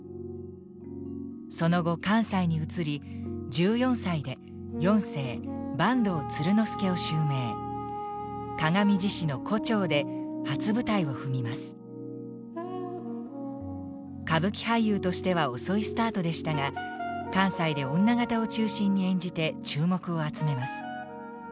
その後関西に移り歌舞伎俳優としては遅いスタートでしたが関西で女形を中心に演じて注目を集めます。